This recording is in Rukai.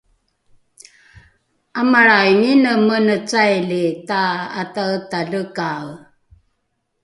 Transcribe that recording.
’amalraingine mene caili ta’ataetalekae